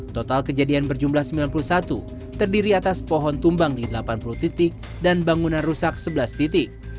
total kejadian berjumlah sembilan puluh satu terdiri atas pohon tumbang di delapan puluh titik dan bangunan rusak sebelas titik